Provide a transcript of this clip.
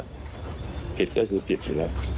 ให้ความเตียงสูตรผิดอยู่ละ